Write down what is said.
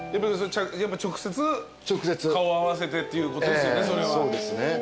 やっぱ直接顔合わせてっていうことですよね？